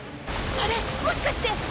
あれもしかして。